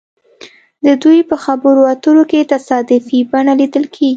د دوی په خبرو اترو کې تصادفي بڼه لیدل کیږي